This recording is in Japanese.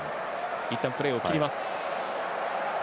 いったんプレーを切ります。